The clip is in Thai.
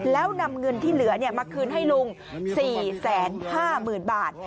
แล้วนำเงินที่เหลือมาคืนให้ลุง๔๕๐๐๐บาท